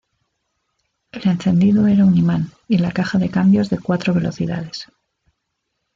El encendido era un imán y la caja de cambios de cuatro velocidades.